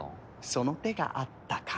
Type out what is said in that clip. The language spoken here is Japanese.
その手があったか。